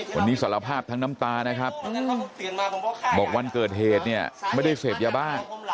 วันนี้สารภาพทั้งน้ำตานะครับบอกวันเกิดเหตุเนี่ยไม่ได้เสพยาบ้า